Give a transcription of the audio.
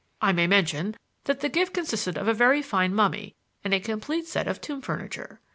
I may mention that the gift consisted of a very fine mummy and a complete set of tomb furniture.